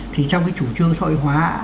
thì trong cái chủ trương xã hội hóa